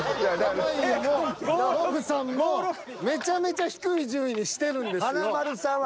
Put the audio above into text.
濱家もノブさんもめちゃめちゃ低い順位にしてるんですよ。